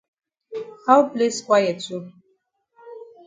How place quiet so?